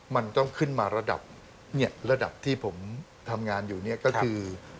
มันต้องขึ้นมาระดับระดับที่ผมทำงานอยู่นี่ก็คือ